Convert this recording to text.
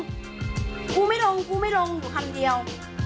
กูไม่ลงอยู่คำเดียว